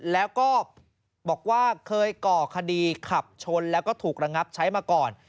แล้วก็บอกว่าเคยก่อคดีขับชนแล้วก็ถูกระงับใช้มาก่อน